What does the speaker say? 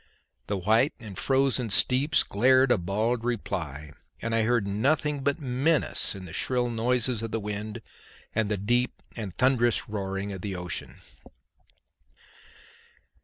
The white and frozen steeps glared a bald reply; and I heard nothing but menace in the shrill noises of the wind and the deep and thunderous roaring of the ocean.